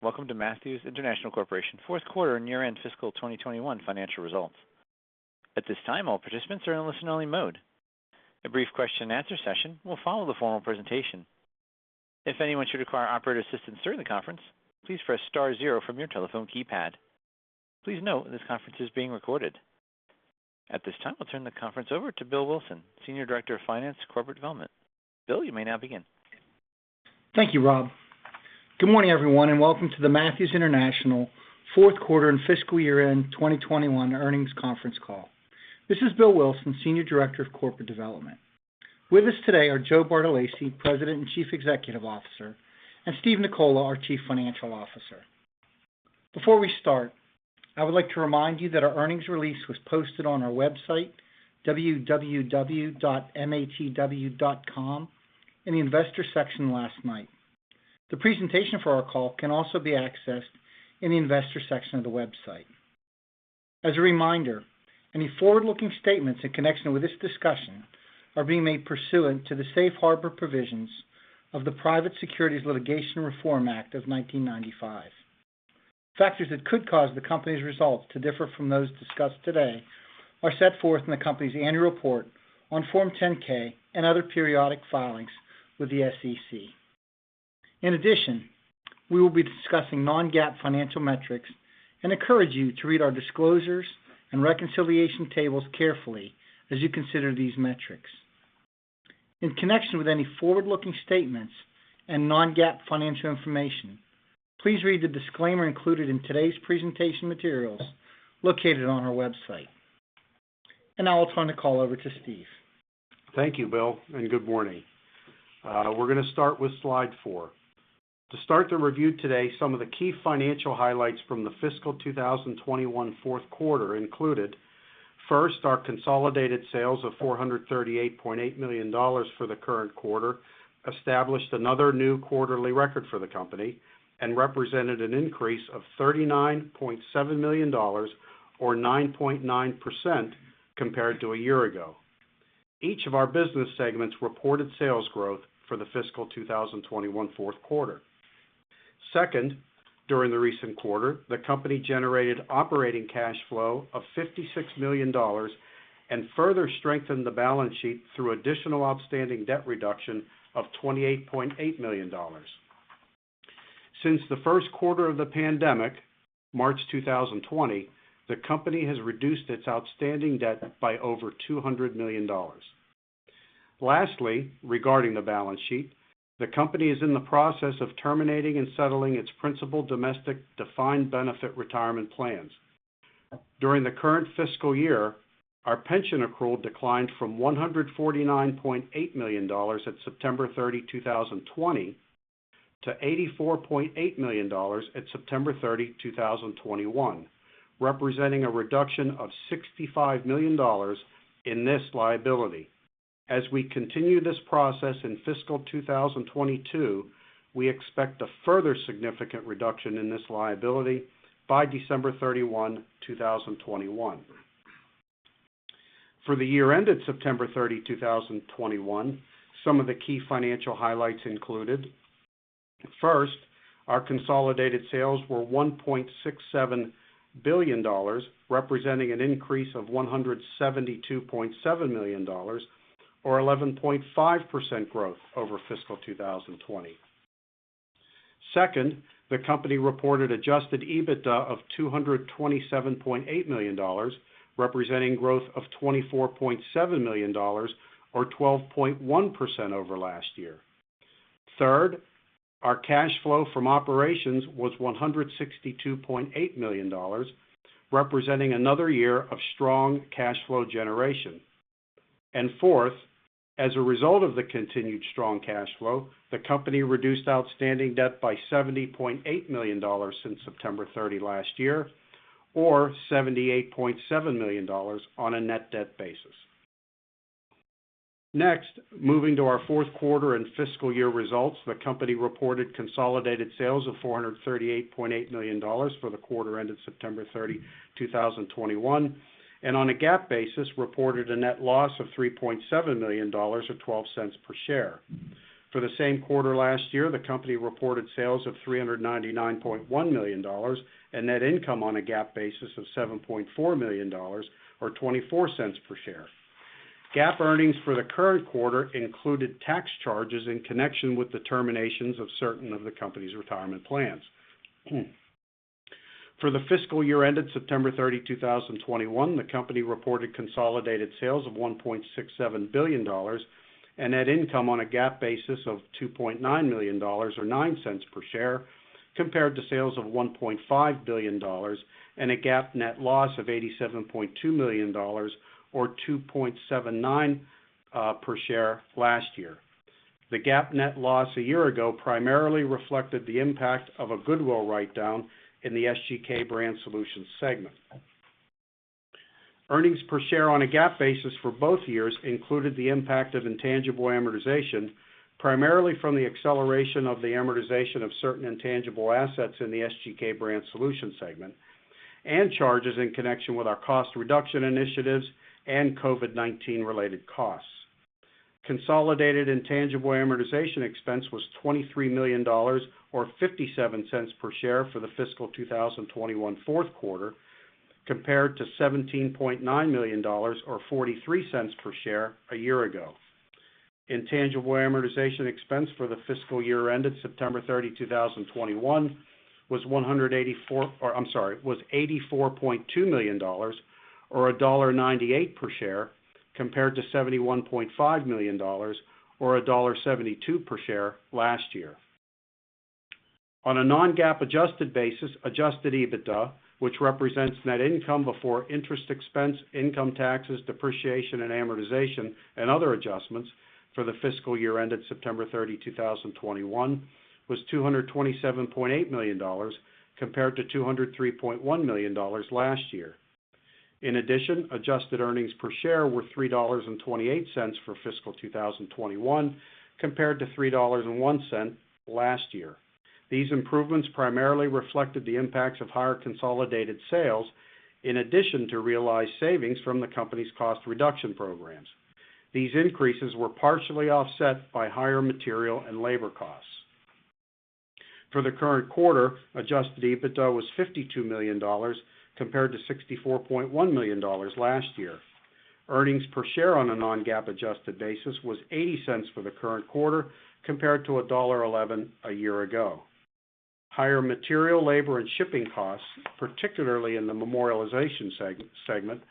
Welcome to Matthews International Corporation fourth quarter and year-end fiscal 2021 financial results. At this time, all participants are in listen-only mode. A brief question-and-answer session will follow the formal presentation. If anyone should require operator assistance during the conference, please press star zero from your telephone keypad. Please note, this conference is being recorded. At this time, I'll turn the conference over to Bill Wilson, Senior Director of Corporate Development. Bill, you may now begin. Thank you, Rob. Good morning, everyone, and welcome to the Matthews International fourth quarter and fiscal year-end 2021 earnings conference call. This is Bill Wilson, Senior Director of Corporate Development. With us today are Joe Bartolacci, President and Chief Executive Officer, and Steve Nicola, our Chief Financial Officer. Before we start, I would like to remind you that our earnings release was posted on our website, www.matw.com, in the investor section last night. The presentation for our call can also be accessed in the investor section of the website. As a reminder, any forward-looking statements in connection with this discussion are being made pursuant to the Safe Harbor provisions of the Private Securities Litigation Reform Act of 1995. Factors that could cause the company's results to differ from those discussed today are set forth in the company's annual report on Form 10-K and other periodic filings with the SEC. In addition, we will be discussing non-GAAP financial metrics and encourage you to read our disclosures and reconciliation tables carefully as you consider these metrics. In connection with any forward-looking statements and non-GAAP financial information, please read the disclaimer included in today's presentation materials located on our website. Now I'll turn the call over to Steve. Thank you, Bill, and good morning. We're gonna start with slide four. To start the review today, some of the key financial highlights from the fiscal 2021 fourth quarter included, first, our consolidated sales of $438.8 million for the current quarter established another new quarterly record for the company and represented an increase of $39.7 million or 9.9% compared to a year ago. Each of our business segments reported sales growth for the fiscal 2021 fourth quarter. Second, during the recent quarter, the company generated operating cash flow of $56 million and further strengthened the balance sheet through additional outstanding debt reduction of $28.8 million. Since the first quarter of the pandemic, March 2020, the company has reduced its outstanding debt by over $200 million. Lastly, regarding the balance sheet, the company is in the process of terminating and settling its principal domestic defined benefit retirement plans. During the current fiscal year, our pension accrual declined from $149.8 million at September 30, 2020, to $84.8 million at September 30, 2021, representing a reduction of $65 million in this liability. As we continue this process in fiscal 2022, we expect a further significant reduction in this liability by December 31, 2021. For the year ended September 30, 2021, some of the key financial highlights included, first, our consolidated sales were $1.67 billion, representing an increase of $172.7 million or 11.5% growth over fiscal 2020. Second, the company reported adjusted EBITDA of $227.8 million, representing growth of $24.7 million or 12.1% over last year. Third, our cash flow from operations was $162.8 million, representing another year of strong cash flow generation. Fourth, as a result of the continued strong cash flow, the company reduced outstanding debt by $70.8 million since September 30 last year or $78.7 million on a net debt basis. Next, moving to our fourth quarter and fiscal year results, the company reported consolidated sales of $438.8 million for the quarter ended September 30, 2021, and on a GAAP basis, reported a net loss of $3.7 million or $0.12 per share. For the same quarter last year, the company reported sales of $399.1 million and net income on a GAAP basis of $7.4 million or $0.24 Per share. GAAP earnings for the current quarter included tax charges in connection with the terminations of certain of the company's retirement plans. For the fiscal year ended September 30, 2021, the company reported consolidated sales of $1.67 billion and net income on a GAAP basis of $2.9 million or $0.09 Per share compared to sales of $1.5 billion and a GAAP net loss of $87.2 million or -$2.79 per share last year. The GAAP net loss a year ago primarily reflected the impact of a goodwill write-down in the SGK Brand Solutions segment. Earnings per share on a GAAP basis for both years included the impact of intangible amortization, primarily from the acceleration of the amortization of certain intangible assets in the SGK Brand Solutions segment, and charges in connection with our cost reduction initiatives and COVID-19 related costs. Consolidated intangible amortization expense was $23 million or $0.57 per share for the fiscal 2021 fourth quarter, compared to $17.9 million or $0.43 per share a year ago. Intangible amortization expense for the fiscal year ended September 30, 2021 was $84.2 million or $1.98 per share, compared to $71.5 million or $1.72 per share last year. On a non-GAAP adjusted basis, adjusted EBITDA, which represents net income before interest expense, income taxes, depreciation and amortization and other adjustments for the fiscal year ended September 30, 2021, was $227.8 million, compared to $203.1 million last year. In addition, adjusted earnings per share were $3.28 for fiscal 2021, compared to $3.01 last year. These improvements primarily reflected the impacts of higher consolidated sales in addition to realized savings from the company's cost reduction programs. These increases were partially offset by higher material and labor costs. For the current quarter, adjusted EBITDA was $52 million compared to $64.1 million last year. Earnings per share on a non-GAAP adjusted basis was $0.80 for the current quarter compared to $1.11 a year ago. Higher material, labor, and shipping costs, particularly in the Memorialization segment,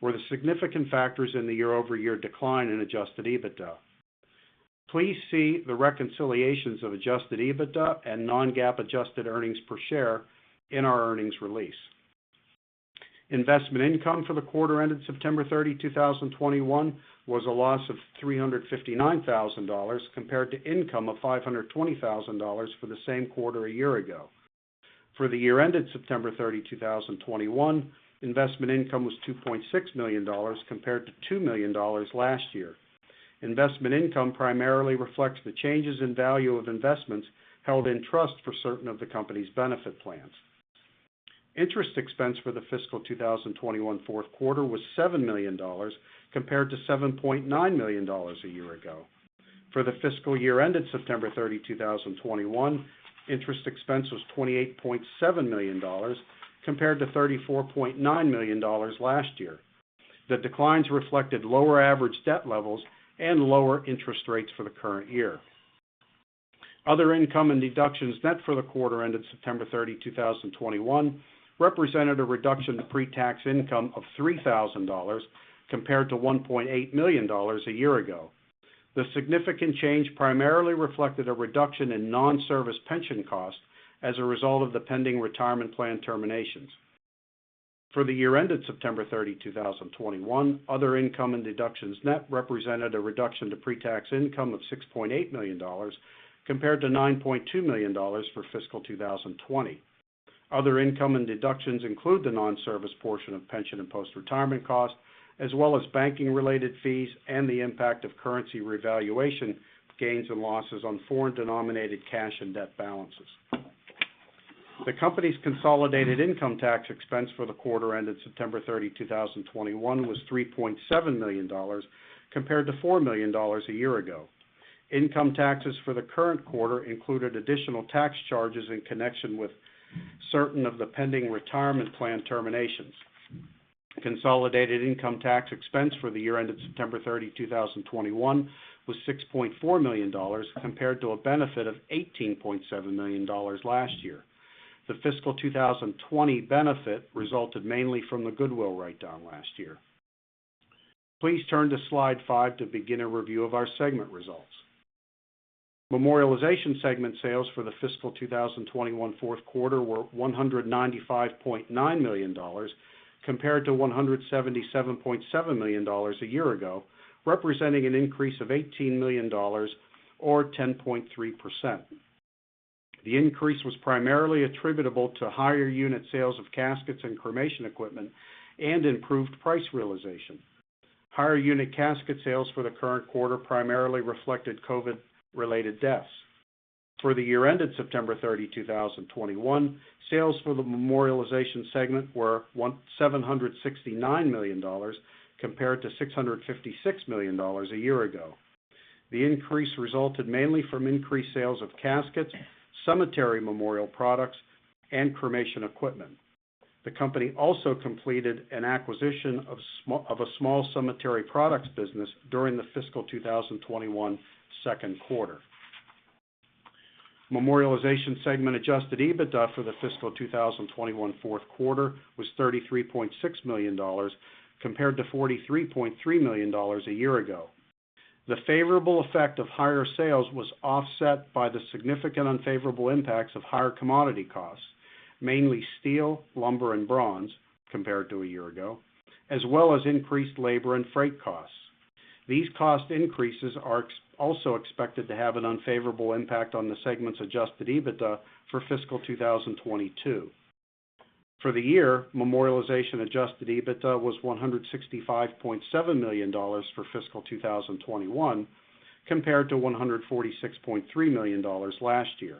were the significant factors in the year-over-year decline in adjusted EBITDA. Please see the reconciliations of adjusted EBITDA and non-GAAP adjusted earnings per share in our earnings release. Investment income for the quarter ended September 30, 2021 was a loss of $359,000 compared to income of $520,000 for the same quarter a year ago. For the year ended September 30, 2021, investment income was $2.6 million compared to $2 million last year. Investment income primarily reflects the changes in value of investments held in trust for certain of the company's benefit plans. Interest expense for the fiscal 2021 fourth quarter was $7 million compared to $7.9 million a year ago. For the fiscal year ended September 30, 2021, interest expense was $28.7 million compared to $34.9 million last year. The declines reflected lower average debt levels and lower interest rates for the current year. Other income and deductions net for the quarter ended September 30, 2021, represented a reduction to pre-tax income of $3,000 compared to $1.8 million a year ago. The significant change primarily reflected a reduction in non-service pension costs as a result of the pending retirement plan terminations. For the year ended September 30, 2021, other income and deductions net represented a reduction to pre-tax income of $6.8 million compared to $9.2 million for fiscal 2020. Other income and deductions include the non-service portion of pension and post-retirement costs, as well as banking-related fees and the impact of currency revaluation gains and losses on foreign-denominated cash and debt balances. The company's consolidated income tax expense for the quarter ended September 30, 2021 was $3.7 million compared to $4 million a year ago. Income taxes for the current quarter included additional tax charges in connection with certain of the pending retirement plan terminations. Consolidated income tax expense for the year ended September 30, 2021 was $6.4 million compared to a benefit of $18.7 million last year. The fiscal 2020 benefit resulted mainly from the goodwill write-down last year. Please turn to slide 5 to begin a review of our segment results. Memorialization segment sales for the fiscal 2021 fourth quarter were $195.9 million, compared to $177.7 million a year ago, representing an increase of $18 million or 10.3%. The increase was primarily attributable to higher unit sales of caskets and cremation equipment and improved price realization. Higher unit casket sales for the current quarter primarily reflected COVID-related deaths. For the year ended September 30, 2021, sales for the Memorialization segment were $769 million compared to $656 million a year ago. The increase resulted mainly from increased sales of caskets, cemetery memorial products, and cremation equipment. The company also completed an acquisition of a small cemetery products business during the fiscal 2021 second quarter. Memorialization segment adjusted EBITDA for the fiscal 2021 fourth quarter was $33.6 million, compared to $43.3 million a year ago. The favorable effect of higher sales was offset by the significant unfavorable impacts of higher commodity costs, mainly steel, lumber, and bronze compared to a year ago, as well as increased labor and freight costs. These cost increases are also expected to have an unfavorable impact on the segment's adjusted EBITDA for fiscal 2022. For the year, Memorialization adjusted EBITDA was $165.7 million for fiscal 2021 compared to $146.3 million last year.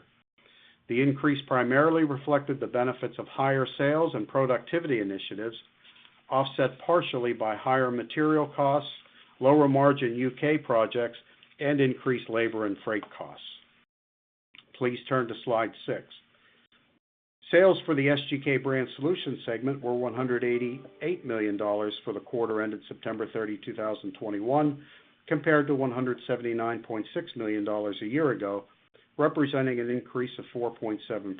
The increase primarily reflected the benefits of higher sales and productivity initiatives, offset partially by higher material costs, lower margin U.K. projects, and increased labor and freight costs. Please turn to slide 6. Sales for the SGK Brand Solutions segment were $188 million for the quarter ended September 30, 2021, compared to $179.6 million a year ago, representing an increase of 4.7%.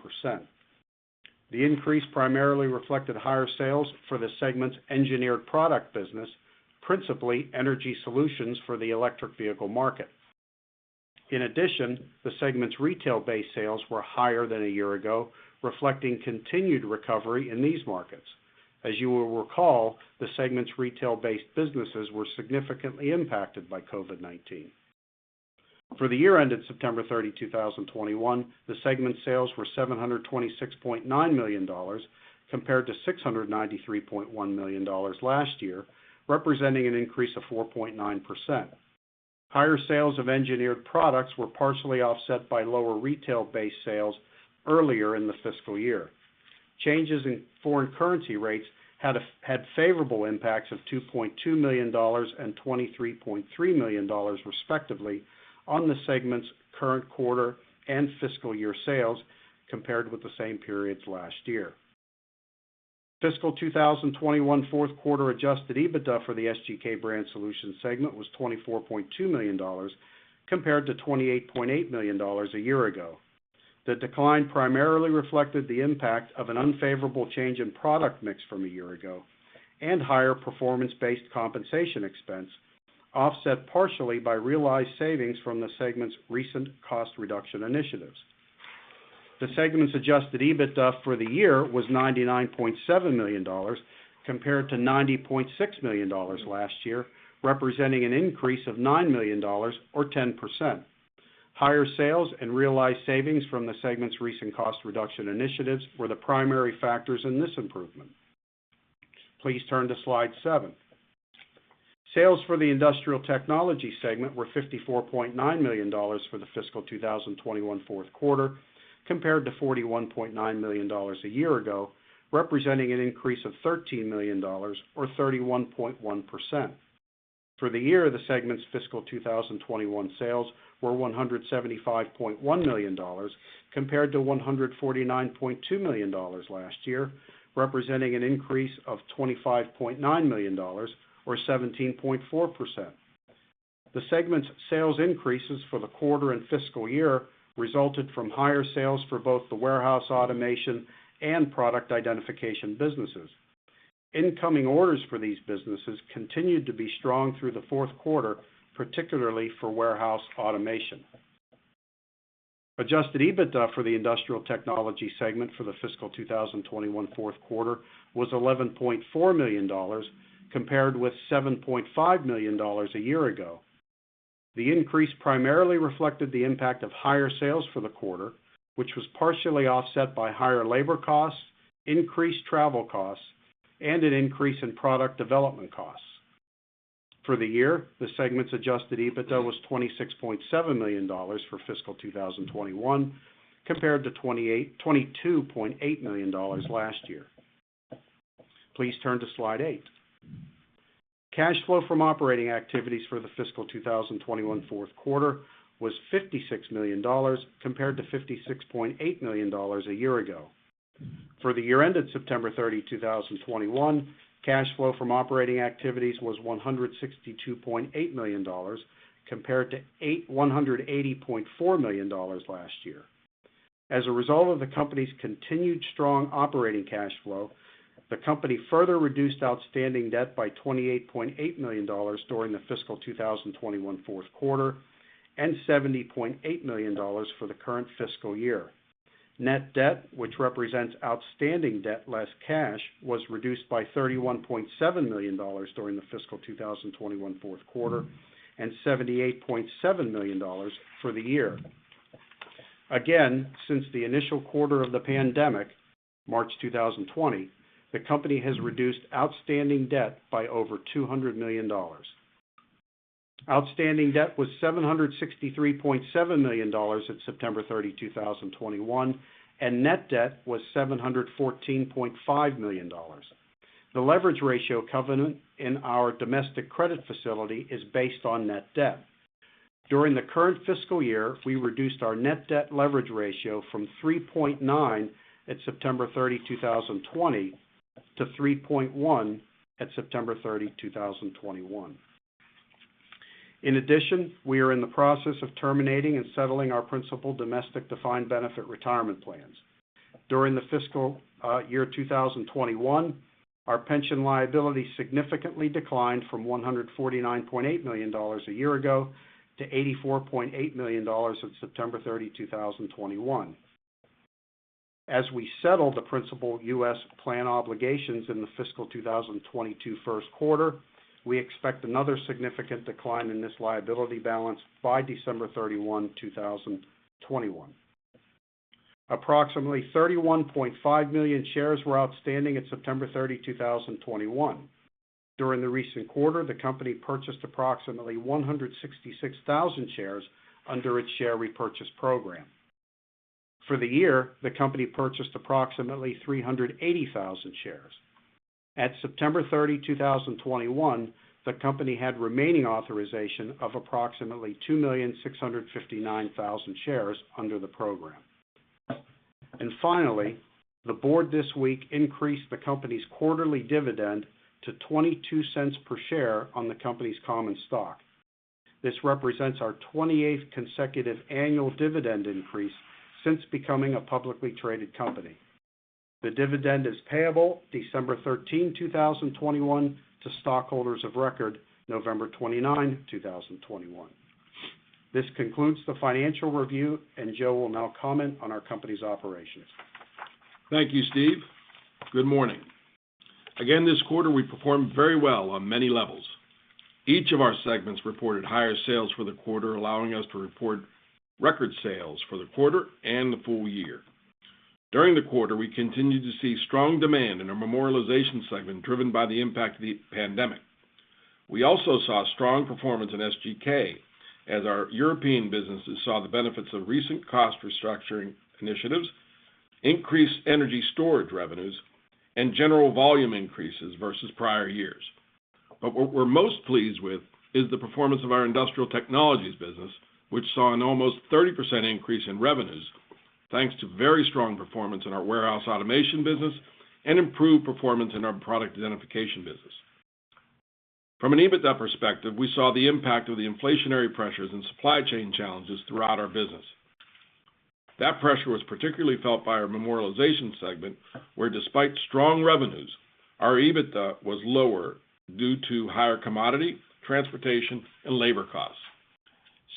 The increase primarily reflected higher sales for the segment's Engineered Products business, principally energy solutions for the electric vehicle market. In addition, the segment's retail-based sales were higher than a year ago, reflecting continued recovery in these markets. As you will recall, the segment's retail-based businesses were significantly impacted by COVID-19. For the year ended September 30, 2021, the segment's sales were $726.9 million compared to $693.1 million last year, representing an increase of 4.9%. Higher sales of engineered products were partially offset by lower retail-based sales earlier in the fiscal year. Changes in foreign currency rates had favorable impacts of $2.2 million and $23.3 million, respectively, on the segment's current quarter and fiscal year sales compared with the same periods last year. Fiscal 2021 fourth quarter adjusted EBITDA for the SGK Brand Solutions segment was $24.2 million, compared to $28.8 million a year ago. The decline primarily reflected the impact of an unfavorable change in product mix from a year ago and higher performance-based compensation expense, offset partially by realized savings from the segment's recent cost reduction initiatives. The segment's adjusted EBITDA for the year was $99.7 million, compared to $90.6 million last year, representing an increase of $9 million or 10%. Higher sales and realized savings from the segment's recent cost reduction initiatives were the primary factors in this improvement. Please turn to slide 7. Sales for the Industrial Technologies segment were $54.9 million for the fiscal 2021 fourth quarter, compared to $41.9 million a year ago, representing an increase of $13 million or 31.1%. For the year, the segment's fiscal 2021 sales were $175.1 million compared to $149.2 million last year, representing an increase of $25.9 million or 17.4%. The segment's sales increases for the quarter and fiscal year resulted from higher sales for both the warehouse automation and product identification businesses. Incoming orders for these businesses continued to be strong through the fourth quarter, particularly for warehouse automation. Adjusted EBITDA for the Industrial Technologies segment for the fiscal 2021 fourth quarter was $11.4 million, compared with $7.5 million a year ago. The increase primarily reflected the impact of higher sales for the quarter, which was partially offset by higher labor costs, increased travel costs, and an increase in product development costs. For the year, the segment's adjusted EBITDA was $26.7 million for fiscal 2021 compared to $22.8 million last year. Please turn to slide 8. Cash flow from operating activities for the fiscal 2021 fourth quarter was $56 million compared to $56.8 million a year ago. For the year ended September 30, 2021, cash flow from operating activities was $162.8 million compared to $180.4 million last year. As a result of the company's continued strong operating cash flow, the company further reduced outstanding debt by $28.8 million during the fiscal 2021 fourth quarter and $70.8 million for the current fiscal year. Net debt, which represents outstanding debt less cash, was reduced by $31.7 million during the fiscal 2021 fourth quarter and $78.7 million for the year. Again, since the initial quarter of the pandemic, March 2020, the company has reduced outstanding debt by over $200 million. Outstanding debt was $763.7 million at September 30, 2021, and net debt was $714.5 million. The leverage ratio covenant in our domestic credit facility is based on net debt. During the current fiscal year, we reduced our net debt leverage ratio from 3.9 at September 30, 2020, to 3.1 at September 30, 2021. In addition, we are in the process of terminating and settling our principal domestic defined benefit retirement plans. During the fiscal year 2021, our pension liability significantly declined from $149.8 million a year ago to $84.8 million on September 30, 2021. As we settle the principal U.S. plan obligations in the fiscal 2022 first quarter, we expect another significant decline in this liability balance by December 31, 2021. Approximately 31.5 million shares were outstanding at September 30, 2021. During the recent quarter, the company purchased approximately 166,000 shares under its share repurchase program. For the year, the company purchased approximately 380,000 shares. At September 30, 2021, the company had remaining authorization of approximately 2,659,000 shares under the program. Finally, the board this week increased the company's quarterly dividend to $0.22 per share on the company's common stock. This represents our 28th consecutive annual dividend increase since becoming a publicly traded company. The dividend is payable December 13, 2021 to stockholders of record November 29, 2021. This concludes the financial review, and Joe will now comment on our company's operations. Thank you, Steve. Good morning. Again, this quarter, we performed very well on many levels. Each of our segments reported higher sales for the quarter, allowing us to report record sales for the quarter and the full year. During the quarter, we continued to see strong demand in our Memorialization segment, driven by the impact of the pandemic. We also saw strong performance in SGK as our European businesses saw the benefits of recent cost restructuring initiatives, increased energy storage revenues, and general volume increases versus prior years. What we're most pleased with is the performance of our Industrial Technologies business, which saw an almost 30% increase in revenues, thanks to very strong performance in our warehouse automation business and improved performance in our product identification business. From an EBITDA perspective, we saw the impact of the inflationary pressures and supply chain challenges throughout our business. That pressure was particularly felt by our Memorialization segment, where despite strong revenues, our EBITDA was lower due to higher commodity, transportation, and labor costs.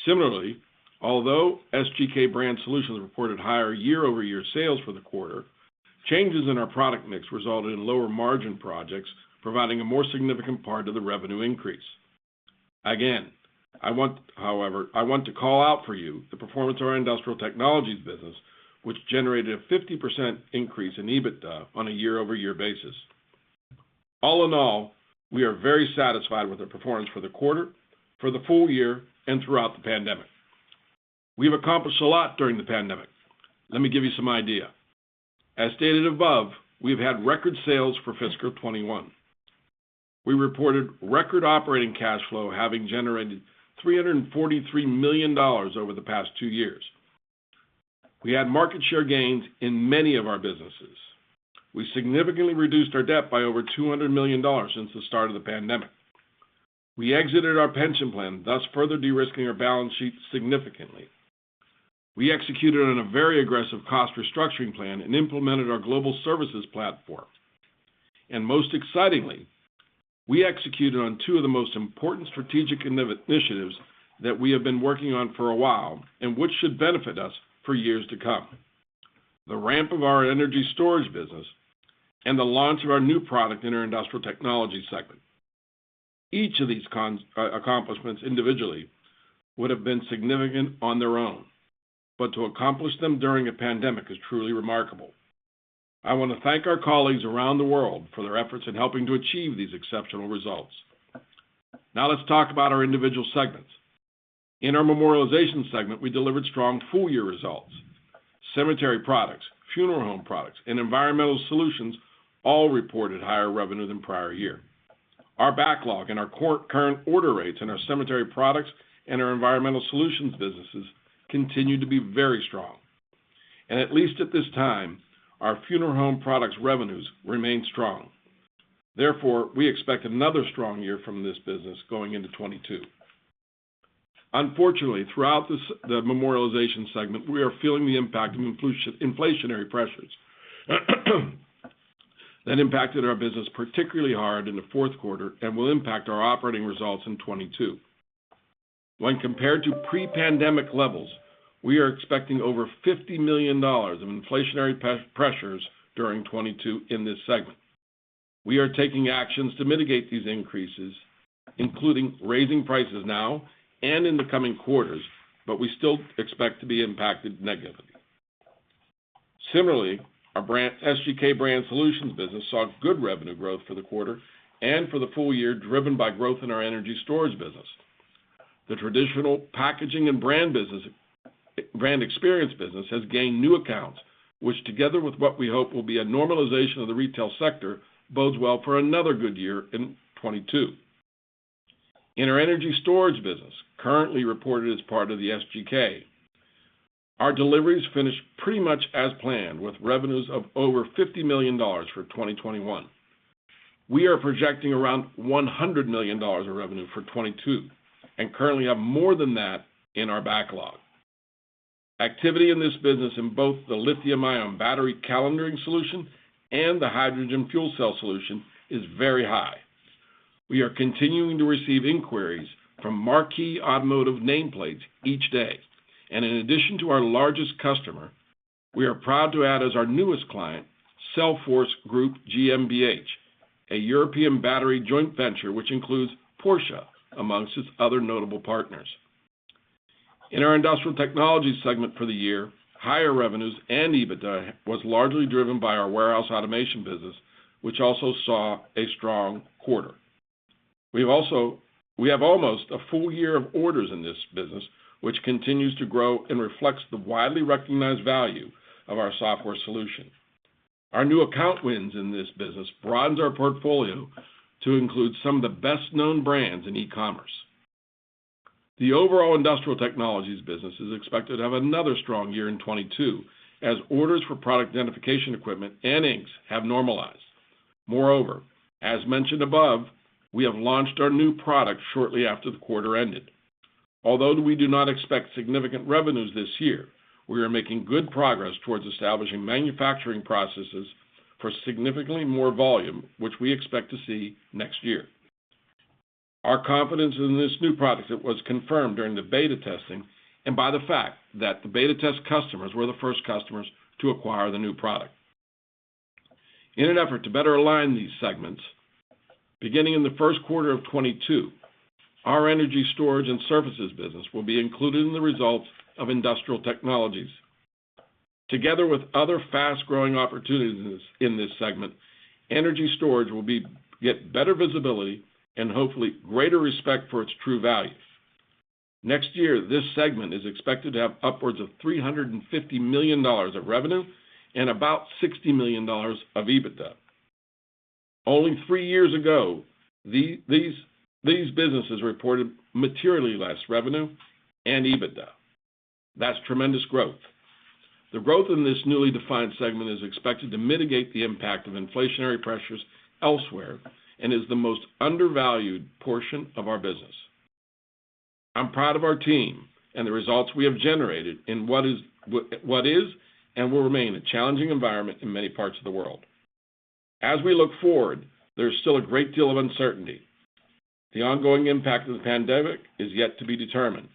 Similarly, although SGK Brand Solutions reported higher year-over-year sales for the quarter, changes in our product mix resulted in lower margin projects, providing a more significant part of the revenue increase. Again, I want to call out for you the performance of our Industrial Technologies business, which generated a 50% increase in EBITDA on a year-over-year basis. All in all, we are very satisfied with the performance for the quarter, for the full year, and throughout the pandemic. We've accomplished a lot during the pandemic. Let me give you some idea. As stated above, we've had record sales for fiscal 2021. We reported record operating cash flow, having generated $343 million over the past two years. We had market share gains in many of our businesses. We significantly reduced our debt by over $200 million since the start of the pandemic. We exited our pension plan, thus further de-risking our balance sheet significantly. We executed on a very aggressive cost restructuring plan and implemented our global services platform. Most excitingly, we executed on two of the most important strategic initiatives that we have been working on for a while and which should benefit us for years to come, the ramp of our energy storage business and the launch of our new product in our Industrial Technologies segment. Each of these accomplishments individually would have been significant on their own, but to accomplish them during a pandemic is truly remarkable. I want to thank our colleagues around the world for their efforts in helping to achieve these exceptional results. Now let's talk about our individual segments. In our Memorialization segment, we delivered strong full-year results. Cemetery products, funeral home products, and environmental solutions all reported higher revenue than prior year. Our backlog and our current order rates in our cemetery products and our environmental solutions businesses continue to be very strong. At least at this time, our funeral home products revenues remain strong. Therefore, we expect another strong year from this business going into 2022. Unfortunately, throughout the Memorialization segment, we are feeling the impact of inflationary pressures that impacted our business particularly hard in the fourth quarter and will impact our operating results in 2022. When compared to pre-pandemic levels, we are expecting over $50 million of inflationary pressures during 2022 in this segment. We are taking actions to mitigate these increases, including raising prices now and in the coming quarters, but we still expect to be impacted negatively. Similarly, our brand, SGK Brand Solutions business saw good revenue growth for the quarter and for the full year, driven by growth in our energy storage business. The traditional packaging and brand business, brand experience business has gained new accounts, which together with what we hope will be a normalization of the retail sector bodes well for another good year in 2022. In our energy storage business, currently reported as part of the SGK, our deliveries finished pretty much as planned with revenues of over $50 million for 2021. We are projecting around $100 million of revenue for 2022 and currently have more than that in our backlog. Activity in this business in both the lithium-ion battery calendaring solution and the hydrogen fuel cell solution is very high. We are continuing to receive inquiries from marquee automotive nameplates each day. In addition to our largest customer, we are proud to add as our newest client, Cellforce Group GmbH, a European battery joint venture, which includes Porsche amongst its other notable partners. In our Industrial Technologies segment for the year, higher revenues and EBITDA was largely driven by our warehouse automation business, which also saw a strong quarter. We have almost a full year of orders in this business, which continues to grow and reflects the widely recognized value of our software solution. Our new account wins in this business broadens our portfolio to include some of the best-known brands in e-commerce. The overall Industrial Technologies business is expected to have another strong year in 2022 as orders for product identification equipment and inks have normalized. Moreover, as mentioned above, we have launched our new product shortly after the quarter ended. Although we do not expect significant revenues this year, we are making good progress towards establishing manufacturing processes for significantly more volume, which we expect to see next year. Our confidence in this new product was confirmed during the beta testing and by the fact that the beta test customers were the first customers to acquire the new product. In an effort to better align these segments, beginning in the first quarter of 2022, our energy storage and services business will be included in the results of Industrial Technologies. Together with other fast-growing opportunities in this segment, energy storage will get better visibility and hopefully greater respect for its true value. Next year, this segment is expected to have upwards of $350 million of revenue and about $60 million of EBITDA. Only three years ago, these businesses reported materially less revenue and EBITDA. That's tremendous growth. The growth in this newly defined segment is expected to mitigate the impact of inflationary pressures elsewhere and is the most undervalued portion of our business. I'm proud of our team and the results we have generated in what is and will remain a challenging environment in many parts of the world. As we look forward, there's still a great deal of uncertainty. The ongoing impact of the pandemic is yet to be determined.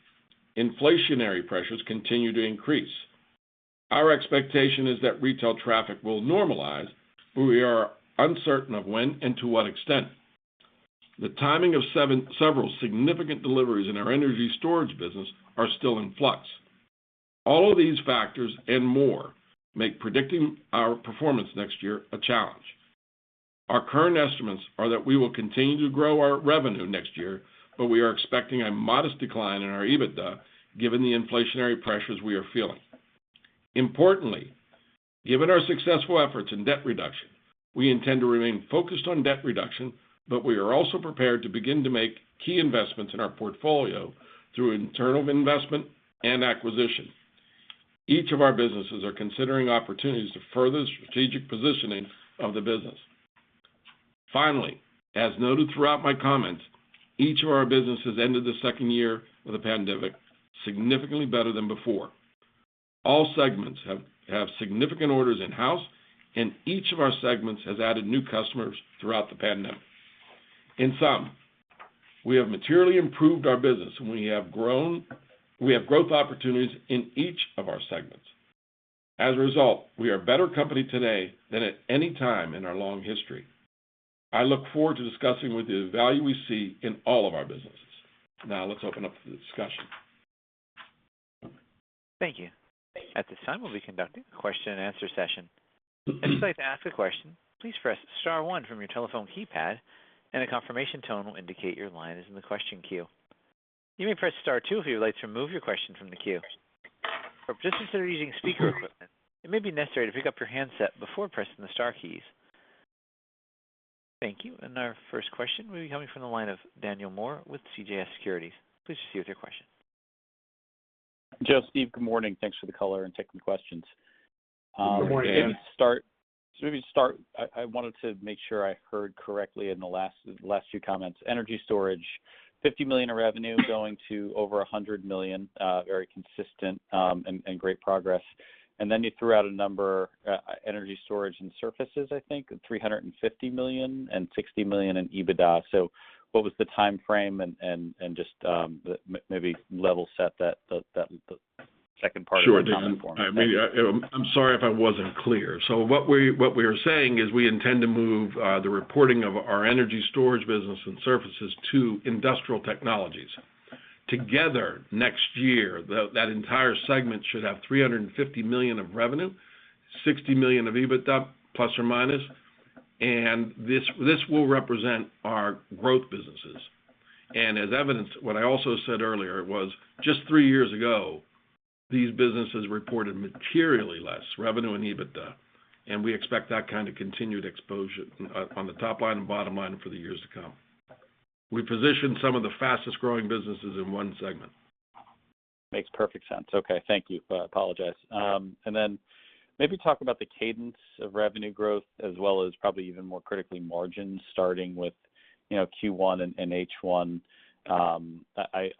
Inflationary pressures continue to increase. Our expectation is that retail traffic will normalize, but we are uncertain of when and to what extent. The timing of several significant deliveries in our energy storage business are still in flux. All of these factors and more make predicting our performance next year a challenge. Our current estimates are that we will continue to grow our revenue next year, but we are expecting a modest decline in our EBITDA given the inflationary pressures we are feeling. Importantly, given our successful efforts in debt reduction, we intend to remain focused on debt reduction, but we are also prepared to begin to make key investments in our portfolio through internal investment and acquisition. Each of our businesses are considering opportunities to further strategic positioning of the business. Finally, as noted throughout my comments, each of our businesses ended the second year of the pandemic significantly better than before. All segments have significant orders in-house, and each of our segments has added new customers throughout the pandemic. In sum, we have materially improved our business. We have growth opportunities in each of our segments. As a result, we are a better company today than at any time in our long history. I look forward to discussing with you the value we see in all of our businesses. Now let's open up the discussion. Thank you. At this time, we'll be conducting a question and answer session. If you'd like to ask a question, please press star one from your telephone keypad and a confirmation tone will indicate your line is in the question queue. You may press star two if you would like to remove your question from the queue. For participants that are using speaker equipment, it may be necessary to pick up your handset before pressing the star keys. Thank you. Our first question will be coming from the line of Daniel Moore with CJS Securities. Please proceed with your question. Joe, Steve, good morning. Thanks for the color and taking questions. Good morning. Maybe to start, I wanted to make sure I heard correctly in the last few comments. Energy storage, $50 million of revenue going to over $100 million, very consistent, and great progress. You threw out a number, energy storage and services, I think, $350 million and $60 million in EBITDA. What was the timeframe and just maybe level set that second part of the comment for me. Sure, Daniel. I mean, I'm sorry if I wasn't clear. What we are saying is we intend to move the reporting of our energy storage business and services to Industrial Technologies. Together, next year, that entire segment should have $350 million of revenue, $60 million of EBITDA ±. This will represent our growth businesses. As evidenced, what I also said earlier was just three years ago, these businesses reported materially less revenue and EBITDA, and we expect that kind of continued exposure on the top line and bottom line for the years to come. We positioned some of the fastest-growing businesses in one segment. Makes perfect sense. Okay, thank you. I apologize. Then maybe talk about the cadence of revenue growth as well as probably even more critically margins starting with, you know, Q1 and H1. I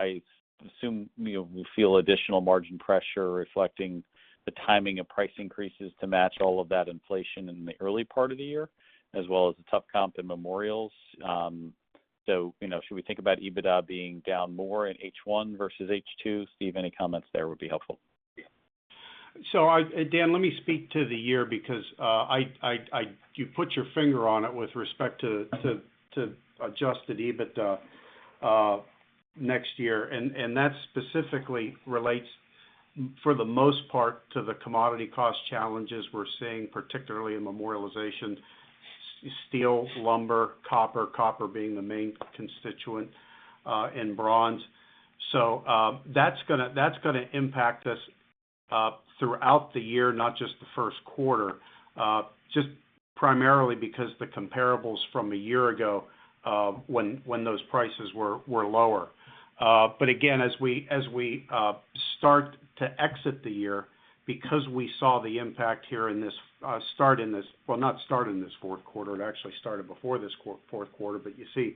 assume you will feel additional margin pressure reflecting the timing of price increases to match all of that inflation in the early part of the year as well as the tough comp in memorials. You know, should we think about EBITDA being down more in H1 versus H2? Steve, any comments there would be helpful. Hi, Dan, let me speak to the year because you put your finger on it with respect to adjusted EBIT next year. That specifically relates for the most part to the commodity cost challenges we're seeing, particularly in Memorialization, steel, lumber, copper being the main constituent in bronze. That's gonna impact us throughout the year, not just the first quarter, just primarily because the comparables from a year ago when those prices were lower. Again, as we start to exit the year, because we saw the impact here in this. Well, not start in this fourth quarter, it actually started before this fourth quarter, but you see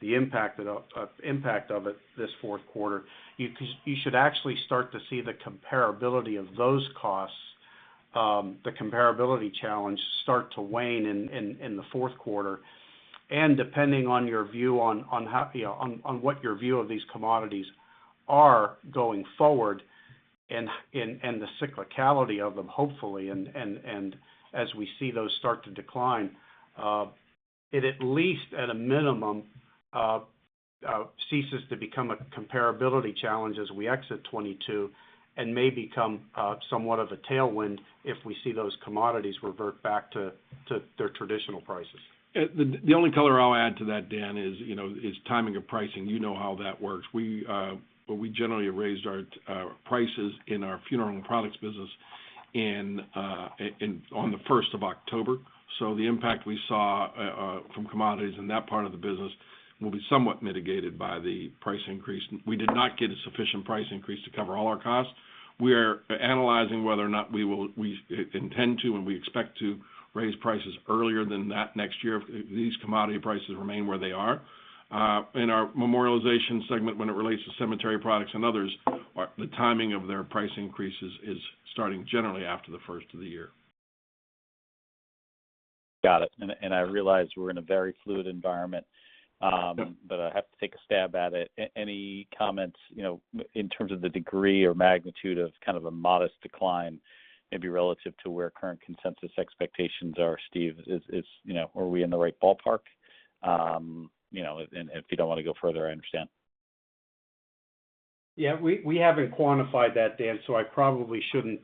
the impact of it this fourth quarter. You should actually start to see the comparability of those costs, the comparability challenge start to wane in the fourth quarter. Depending on your view on what your view of these commodities are going forward and the cyclicality of them, hopefully, as we see those start to decline, it at least, at a minimum, ceases to become a comparability challenge as we exit 2022 and may become somewhat of a tailwind if we see those commodities revert back to their traditional prices. The only color I'll add to that, Dan, is, you know, timing of pricing. You know how that works. We generally raised our prices in our funeral and products business in on the first of October. The impact we saw from commodities in that part of the business will be somewhat mitigated by the price increase. We did not get a sufficient price increase to cover all our costs. We are analyzing whether or not we intend to and we expect to raise prices earlier than that next year if these commodity prices remain where they are. In our Memorialization segment when it relates to cemetery products and others, the timing of their price increases is starting generally after the first of the year. Got it. I realize we're in a very fluid environment. Yeah. I have to take a stab at it. Any comments, you know, in terms of the degree or magnitude of kind of a modest decline, maybe relative to where current consensus expectations are, Steve? You know, are we in the right ballpark? You know, and if you don't wanna go further, I understand. Yeah. We haven't quantified that, Dan, so I probably shouldn't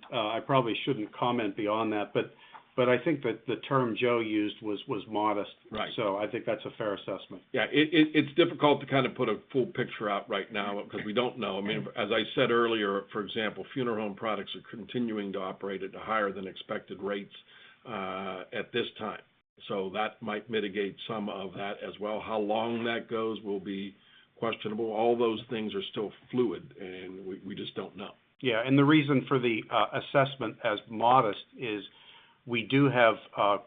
comment beyond that. But I think that the term Joe used was modest. Right. I think that's a fair assessment. Yeah. It's difficult to kind of put a full picture out right now. Okay 'Cause we don't know. I mean, as I said earlier, for example, funeral home products are continuing to operate at higher than expected rates at this time. So that might mitigate some of that as well. How long that goes will be questionable. All those things are still fluid, and we just don't know. The reason for the assessment as modest is we do have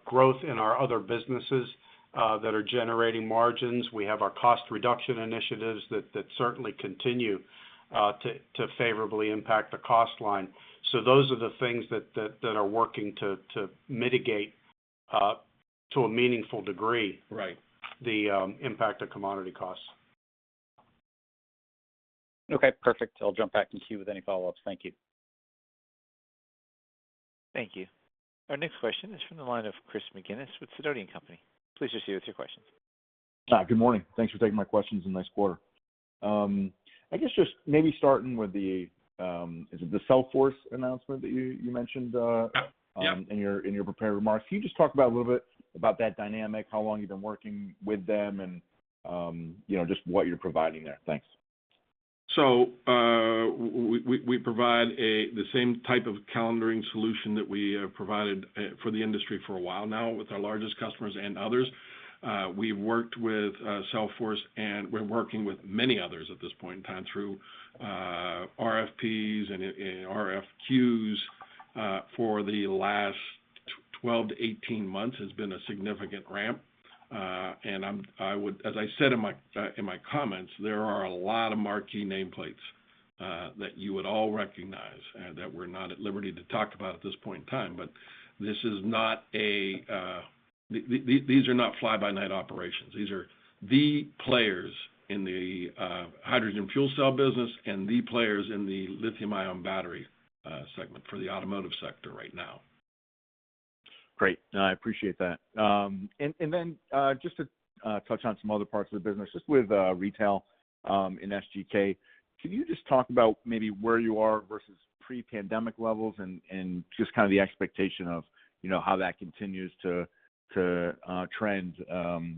growth in our other businesses that are generating margins. We have our cost reduction initiatives that certainly continue to favorably impact the cost line. Those are the things that are working to mitigate to a meaningful degree. Right... the impact of commodity costs. Okay, perfect. I'll jump back in queue with any follow-ups. Thank you. Thank you. Our next question is from the line of Chris McGinnis with Sidoti & Company. Please proceed with your questions. Good morning. Thanks for taking my questions and nice quarter. I guess just maybe starting with the, is it the Cellforce announcement that you mentioned in your prepared remarks. Can you just talk about a little bit about that dynamic, how long you've been working with them and, you know, just what you're providing there? Thanks. We provide the same type of calendering solution that we have provided for the industry for a while now with our largest customers and others. We've worked with Cellforce, and we're working with many others at this point in time through RFPs and RFQs for the last 12-18 months has been a significant ramp. As I said in my comments, there are a lot of marquee nameplates that you would all recognize that we're not at liberty to talk about at this point in time. This is not a. These are not fly-by-night operations. These are the players in the hydrogen fuel cell business and the players in the lithium-ion battery segment for the automotive sector right now. Great. No, I appreciate that. Just to touch on some other parts of the business, just with retail in SGK, can you just talk about maybe where you are versus pre-pandemic levels and just kind of the expectation of, you know, how that continues to trend,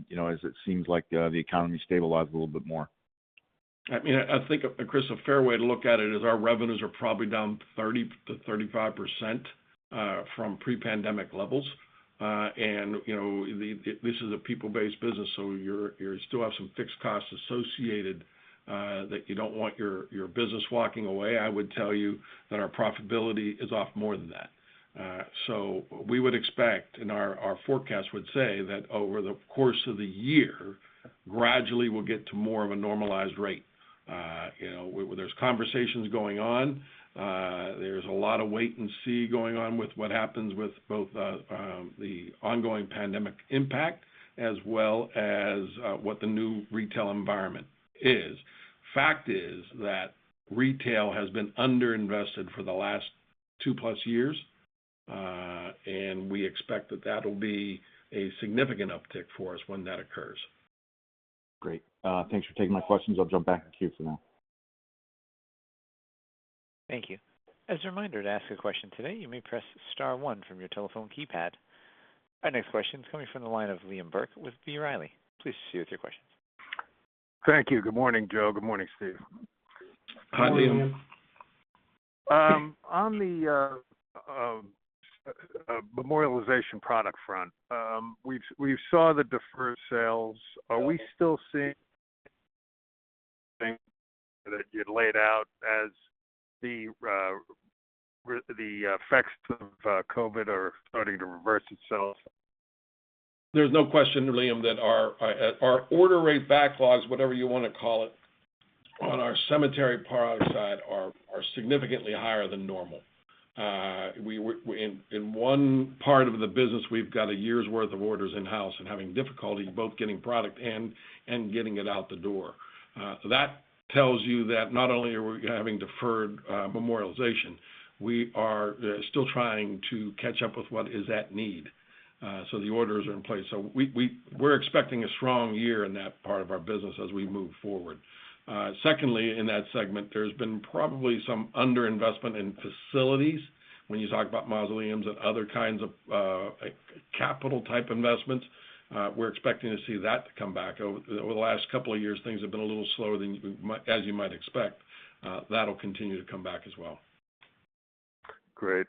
you know, as it seems like the economy stabilizes a little bit more? I mean, I think, Chris, a fair way to look at it is our revenues are probably down 30%-35% from pre-pandemic levels. You know, this is a people-based business, so you still have some fixed costs associated that you don't want your business walking away. I would tell you that our profitability is off more than that. We would expect our forecast would say that over the course of the year, gradually we'll get to more of a normalized rate. You know, well, there's conversations going on. There's a lot of wait and see going on with what happens with both the ongoing pandemic impact as well as what the new retail environment is. Fact is that retail has been underinvested for the last 2+ years. We expect that that'll be a significant uptick for us when that occurs. Great. Thanks for taking my questions. I'll jump back in queue for now. Thank you. As a reminder, to ask a question today, you may press star one from your telephone keypad. Our next question is coming from the line of Liam Burke with B. Riley. Please proceed with your question. Thank you. Good morning, Joe. Good morning, Steve. Hi, Liam. On the Memorialization product front, we saw the deferred sales. Are we still seeing that you'd laid out as the effects of COVID are starting to reverse itself? There's no question, Liam, that our order rate backlogs, whatever you wanna call it, on our cemetery product side are significantly higher than normal. In one part of the business, we've got a year's worth of orders in-house and having difficulty both getting product and getting it out the door. That tells you that not only are we having deferred Memorialization, we are still trying to catch up with what is at need. The orders are in place. We're expecting a strong year in that part of our business as we move forward. Secondly, in that segment, there's been probably some underinvestment in facilities when you talk about mausoleums and other kinds of capital type investments. We're expecting to see that to come back. Over the last couple of years, things have been a little slower than as you might expect. That'll continue to come back as well. Great.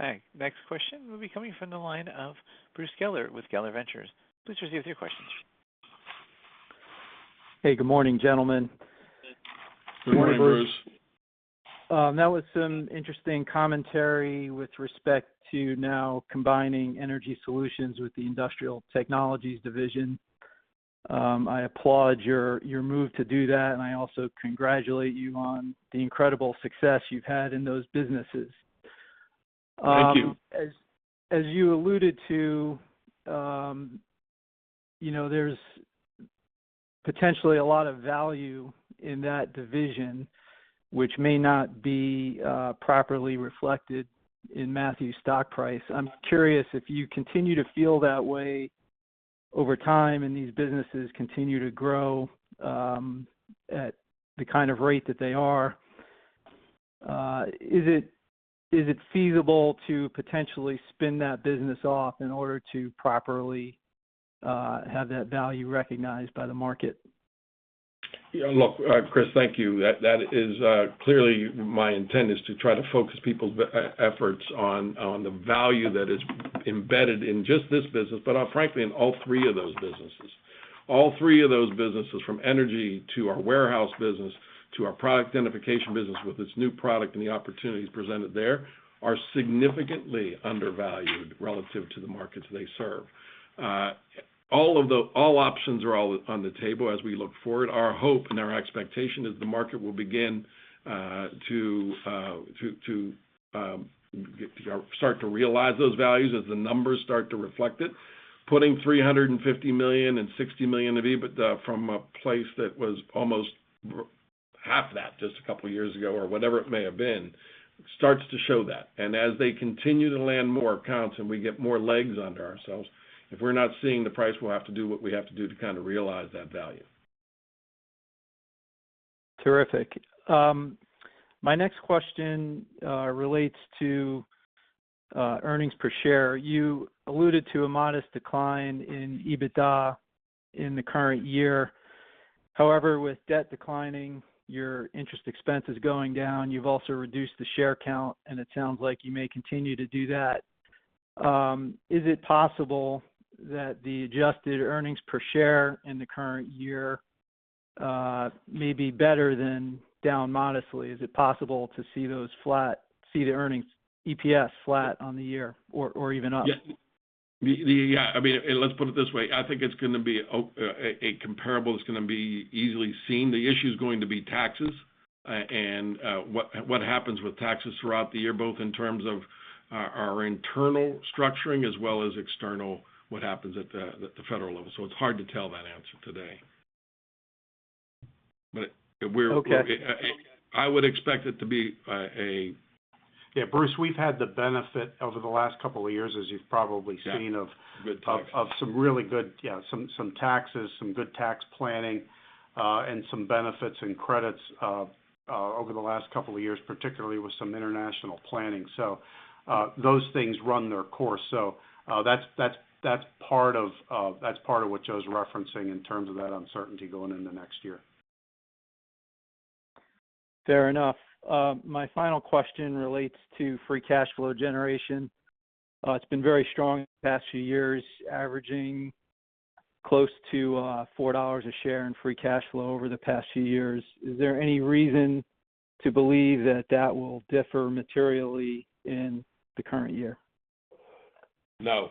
All right. Next question will be coming from the line of Bruce Geller with Geller Ventures. Please proceed with your questions. Hey, good morning, gentlemen. Good morning, Bruce. Good morning, Bruce. That was some interesting commentary with respect to now combining Energy Solutions with the Industrial Technologies division. I applaud your move to do that, and I also congratulate you on the incredible success you've had in those businesses. Thank you. As you alluded to, you know, there's potentially a lot of value in that division which may not be properly reflected in Matthews stock price. I'm curious if you continue to feel that way over time and these businesses continue to grow at the kind of rate that they are, is it feasible to potentially spin that business off in order to properly have that value recognized by the market? Yeah, look, Chris, thank you. That is clearly my intent to try to focus people's efforts on the value that is embedded in just this business, but frankly, in all three of those businesses. All three of those businesses, from energy to our warehouse business to our product identification business with its new product and the opportunities presented there, are significantly undervalued relative to the markets they serve. All options are on the table as we look forward. Our hope and our expectation is the market will begin to start to realize those values as the numbers start to reflect it. Putting $350 million and $60 million of EBITDA from a place that was almost half that just a couple years ago or whatever it may have been, starts to show that. As they continue to land more accounts and we get more legs under ourselves, if we're not seeing the price, we'll have to do what we have to do to kind of realize that value. Terrific. My next question relates to earnings per share. You alluded to a modest decline in EBITDA in the current year. However, with debt declining, your interest expense is going down. You've also reduced the share count, and it sounds like you may continue to do that. Is it possible that the adjusted earnings per share in the current year may be better than down modestly? Is it possible to see the earnings EPS flat on the year or even up? I mean, let's put it this way. I think it's gonna be a comparable is gonna be easily seen. The issue is going to be taxes, and what happens with taxes throughout the year, both in terms of our internal structuring as well as external, what happens at the federal level. It's hard to tell that answer today. But we're Okay. I would expect it to be a. Yeah, Bruce, we've had the benefit over the last couple of years, as you've probably seen. Yeah. Good taxes. of some good tax planning and some benefits and credits over the last couple of years, particularly with some international planning. Those things run their course. That's part of what Joe's referencing in terms of that uncertainty going into next year. Fair enough. My final question relates to free cash flow generation. It's been very strong the past few years, averaging close to $4 a share in free cash flow over the past few years. Is there any reason to believe that will differ materially in the current year? No.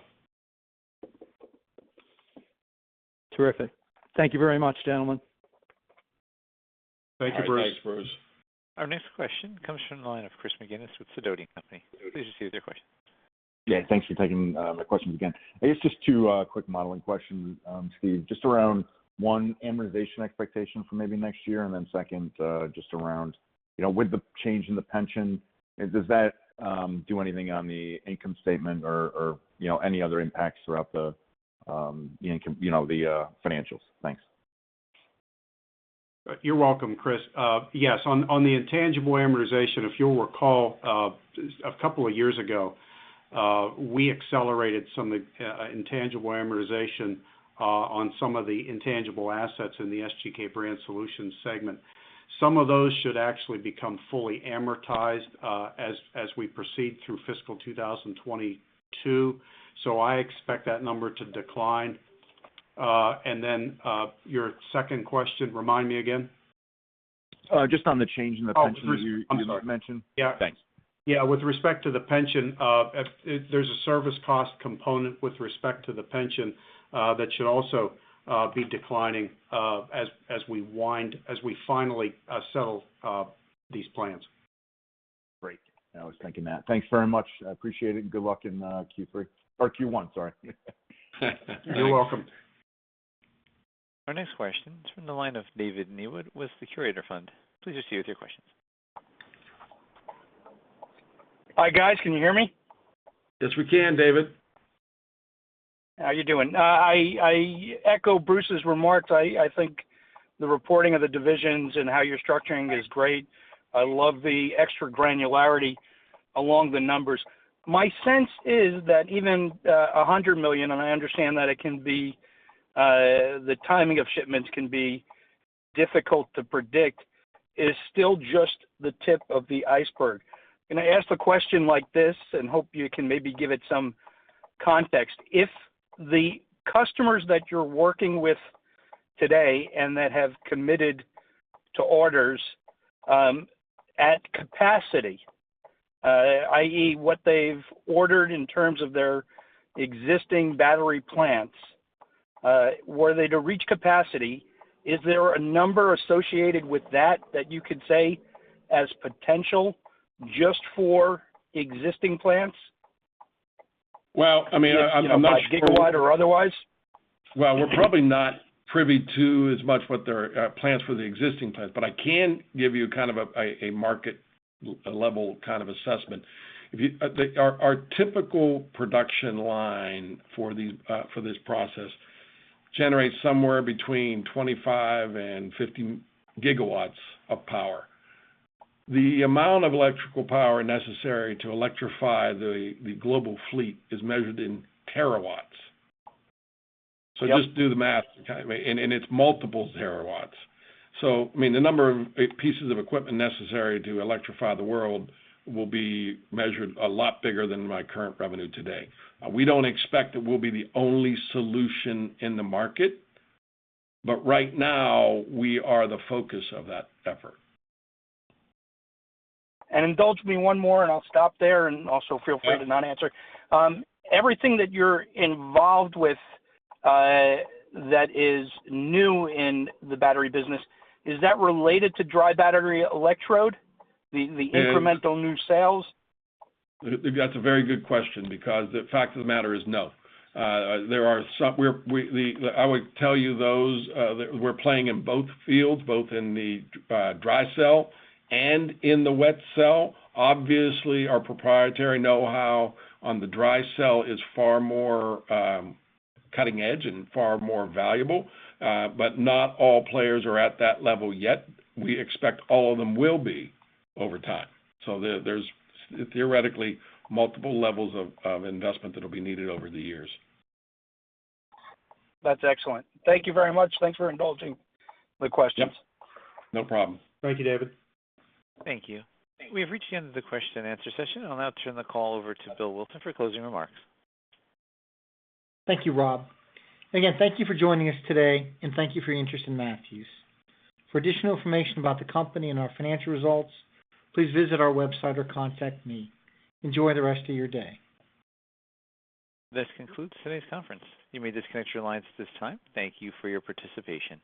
Terrific. Thank you very much, gentlemen. Thank you, Bruce. All right. Thanks, Bruce. Our next question comes from the line of Chris McGinnis with Sidoti & Company. Please proceed with your question. Yeah, thanks for taking my questions again. I guess just two quick modeling questions, Steve. Just around one, amortization expectation for maybe next year, and then second, just around, you know, with the change in the pension, does that do anything on the income statement or, you know, any other impacts throughout the income, you know, the financials? Thanks. You're welcome, Chris. Yes, on the intangible amortization, if you'll recall, a couple of years ago, we accelerated some of the intangible amortization on some of the intangible assets in the SGK Brand Solutions segment. Some of those should actually become fully amortized as we proceed through fiscal 2022. I expect that number to decline. Your second question, remind me again. Just on the change in the pension- Oh, pension. you mentioned. Yeah. Thanks. Yeah, with respect to the pension, there's a service cost component with respect to the pension that should also be declining as we finally settle these plans. Great. I was thinking that. Thanks very much. I appreciate it, and good luck in Q3 or Q1, sorry. You're welcome. Our next question is from the line of David Niewood with Phoenix Insurance. Please proceed with your questions. Hi, guys. Can you hear me? Yes, we can, David. How are you doing? I echo Bruce's remarks. I think the reporting of the divisions and how you're structuring is great. I love the extra granularity along the numbers. My sense is that even 100 million, and I understand that it can be the timing of shipments can be difficult to predict, is still just the tip of the iceberg. Can I ask a question like this, and hope you can maybe give it some context? If the customers that you're working with today and that have committed to orders, at capacity, i.e., what they've ordered in terms of their existing battery plants, were they to reach capacity, is there a number associated with that you could say as potential just for existing plants? Well, I mean, I'm not sure. You know, by gigawatt or otherwise. Well, we're probably not privy to as much what their plans for the existing plants. I can give you kind of a market level kind of assessment. Our typical production line for these for this process generates somewhere between 25 and 50 gigawatts of power. The amount of electrical power necessary to electrify the global fleet is measured in terawatts. Yep. Just do the math, kind of. It's multiple terawatts. I mean, the number of pieces of equipment necessary to electrify the world will be measured a lot bigger than my current revenue today. We don't expect that we'll be the only solution in the market, but right now, we are the focus of that effort. Indulge me one more, and I'll stop there, and also feel free to not answer. Everything that you're involved with, that is new in the battery business, is that related to dry battery electrode? It- incremental new sales? That's a very good question because the fact of the matter is no. I would tell you we're playing in both fields, both in the dry cell and in the wet cell. Obviously, our proprietary know-how on the dry cell is far more cutting edge and far more valuable, but not all players are at that level yet. We expect all of them will be over time. There's theoretically multiple levels of investment that'll be needed over the years. That's excellent. Thank you very much. Thanks for indulging the questions. Yep. No problem. Thank you, David. Thank you. We have reached the end of the question and answer session. I'll now turn the call over to Bill Wilson for closing remarks. Thank you, Rob. Again, thank you for joining us today, and thank you for your interest in Matthews. For additional information about the company and our financial results, please visit our website or contact me. Enjoy the rest of your day. This concludes today's conference. You may disconnect your lines at this time. Thank you for your participation.